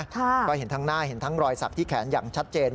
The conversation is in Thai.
ก็เห็นทั้งหน้าเห็นทั้งรอยสักที่แขนอย่างชัดเจน